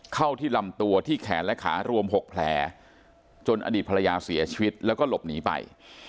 เข้าที่ลำตัวที่แขนและขารวม๖แผลจนอดีตภรรยาเสียชีวิตแล้วก็หลบหนีไป